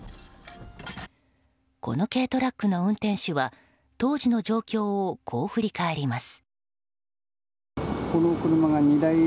この軽トラックの運転手は当時の状況をこう振り返ります。